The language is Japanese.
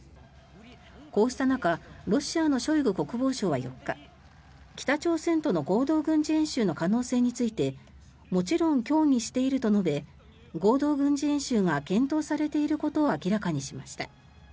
こうした中ロシアのショイグ国防相は４日北朝鮮との合同軍事演習の可能性についてもちろん協議していると述べ合同軍事演習が検討されていることを明らかにしました。